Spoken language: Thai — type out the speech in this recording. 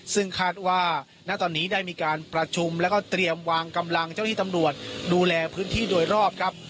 ซึ่งคาดว่าณตอนนี้ได้มีการประชุมแล้วก็เตรียมวางกำลังเจ้าที่ตำรวจดูแลพื้นที่โดยรอบครับ